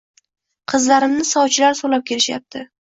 Qizlarimni sovchilar so`rab kelishyapti